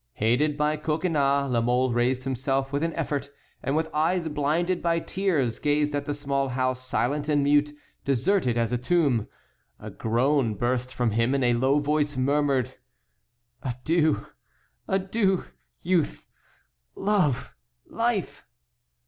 Aided by Coconnas, La Mole raised himself with an effort, and with eyes blinded by tears gazed at the small house, silent and mute, deserted as a tomb. A groan burst from him, and in a low voice he murmured: "Adieu, adieu, youth, love, life!"